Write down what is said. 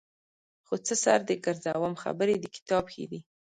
خو څه سر دې ګرځوم خبرې د کتاب ښې دي.